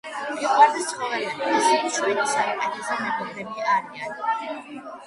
გვიყვარდეს ცხოველები, ისინი ჩვენი საულეთესო მეგობრები არიან